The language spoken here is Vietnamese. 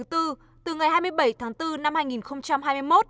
từ ngày hai mươi bảy tháng bốn năm hai nghìn hai mươi một